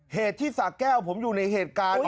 เหตุที่สะแก้วผมอยู่ในเหตุการณ์